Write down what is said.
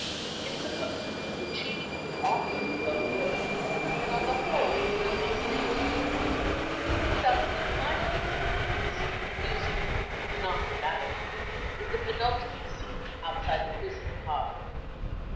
It supposes that Puccini is the author of his own book, and on the whole prefers Massenet's libretto, and points out that the climax of the piece, musically, if not dramatically, is the penultimate scene, outside the prison at Havre.